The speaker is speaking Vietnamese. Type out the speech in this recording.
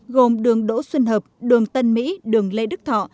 gồm đường đỗ xuân hợp đường tân mỹ đường lê đức thọ